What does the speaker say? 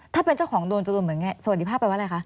ถ้าเป็นเจ้าของโดนจะโดนเหมือนกันสวัสดีภาพแปลว่าอะไรคะ